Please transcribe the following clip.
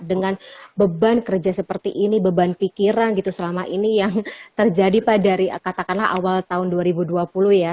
dengan beban kerja seperti ini beban pikiran gitu selama ini yang terjadi pak dari katakanlah awal tahun dua ribu dua puluh ya